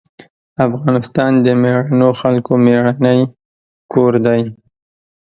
افغانستان د مېړنيو خلکو مېړنی کور دی.